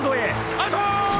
アウト！